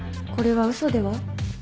これは嘘では？